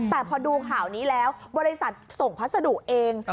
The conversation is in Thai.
แต่พอดูข่าวนี้แล้วบริษัทส่งพัสดุเอง